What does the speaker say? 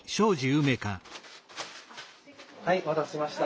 はいお待たせしました。